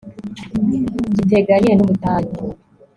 giteganye n'ubutayu